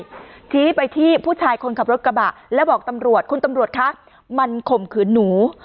ชี้ไปที่ผู้ชายคนขับรถกระบะแล้วบอกตำรวจคุณตำรวจคะมันข่มขืนหนู